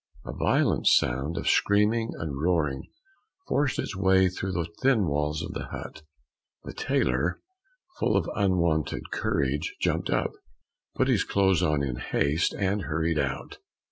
A violent sound of screaming and roaring forced its way through the thin walls of the hut. The tailor, full of unwonted courage, jumped up, put his clothes on in haste, and hurried out.